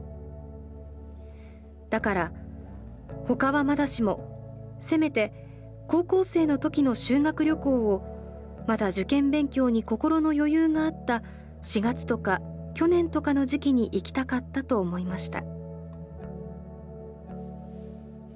だから他はまだしもせめて高校生の時の修学旅行をまだ受験勉強に心の余裕があった４月とか去年とかの時期に行きたかったと思いました」。